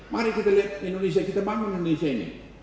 mari kita lihat indonesia kita bangun indonesia ini